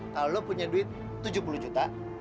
kalo lo punya duit tujuh puluh juta